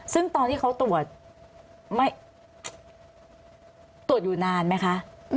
ซึ่งตอนที่เขาตรวจตรวจอยู่นานไหมคะ